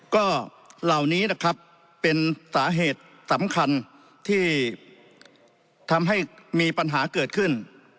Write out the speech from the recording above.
ก็เหล่านี้นะครับเป็นสาเหตุสำคัญที่ทำให้มีปัญหาเกิดขึ้น